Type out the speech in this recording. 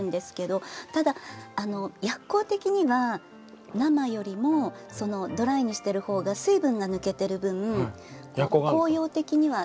ただ薬効的には生よりもドライにしている方が水分が抜けてる分効用的には高くなるっていう。